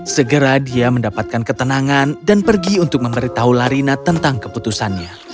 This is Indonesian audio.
segera dia mendapatkan ketenangan dan pergi untuk memberitahu larina tentang keputusannya